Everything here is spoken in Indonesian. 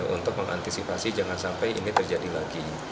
untuk mengantisipasi jangan sampai ini terjadi lagi